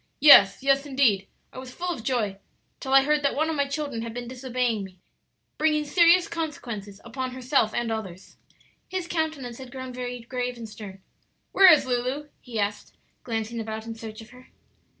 "Yes, yes indeed; I was full of joy till I heard that one of my children had been disobeying me, bringing serious consequences upon herself and others." His countenance had grown very grave and stern. "Where is Lulu?" he asked, glancing about in search of her.